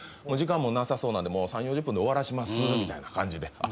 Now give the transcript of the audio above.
お時間もなさそうなんで３０４０分で終わらします」みたいな感じで。